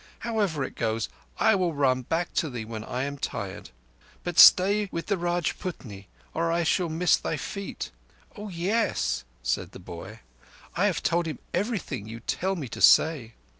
However it goes, I will run back to thee when I am tired. But stay with the Rajputni, or I shall miss thy feet ... Oah yess," said the boy, "I have told him everything you tell me to say."